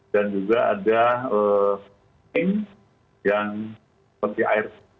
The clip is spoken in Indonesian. dan juga ada yang seperti air